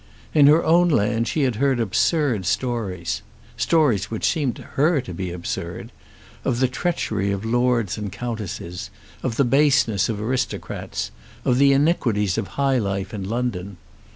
In her own land she had heard absurd stories, stories which seemed to her to be absurd, of the treachery of lords and countesses, of the baseness of aristocrats, of the iniquities of high life in London.